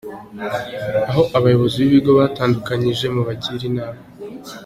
Aho abayobozi b’ibigo batatunganyije mubagire inama.